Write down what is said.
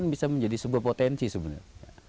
bisa menjadi sebuah potensi sebenarnya